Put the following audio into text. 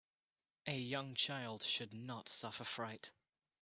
A young child should not suffer fright.